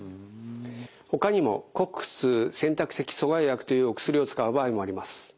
ほかにもＣＯＸ−２選択的阻害薬というお薬を使う場合もあります。